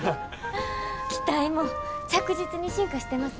機体も着実に進化してますね。